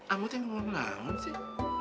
amu teh nggak mau ngelawan sih